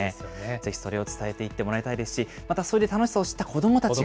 ぜひそれを伝えていってもらいたいと思いますし、またそれで楽しさを知った子どもたちが。